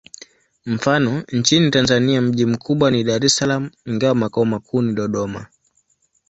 Mfano: nchini Tanzania mji mkubwa ni Dar es Salaam, ingawa makao makuu ni Dodoma.